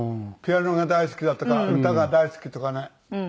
ピアノが大好きだとか歌が大好きとかね。